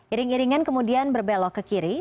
iring iringan kemudian berbelok ke kiri